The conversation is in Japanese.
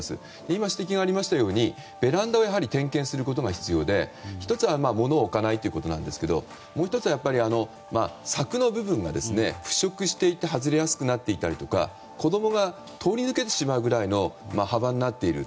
今指摘がありましたようにベランダを点検することが重要で１つは物を置かないことなんですけどもう１つ、柵の部分が腐食していて外れやすくなっていたりだとか子供が通り抜けてしまうくらいの幅になっている。